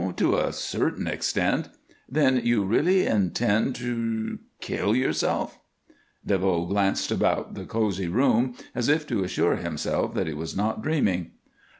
"To a certain extent. Then you really intend to kill yourself?" DeVoe glanced about the cozy room as if to assure himself that he was not dreaming.